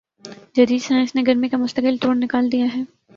جدید سائنس نے گرمی کا مستقل توڑ نکال دیا ہے